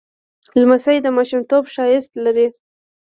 لمسی د ماشومتوب ښایست لري.